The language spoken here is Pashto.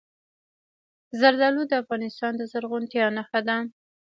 زردالو د افغانستان د زرغونتیا نښه ده.